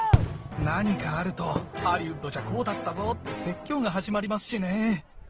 何かあると「ハリウッドじゃこうだったぞ！」って説教が始まりますしね。